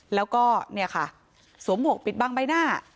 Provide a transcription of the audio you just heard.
แล้วก็สวมหวกปิดบ้างใบหน้า